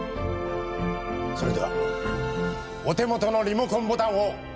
それではお手元のリモコンボタンを。